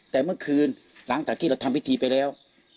แต่เมื่อคืนหลังจากที่เราทำพิธีไปแล้ว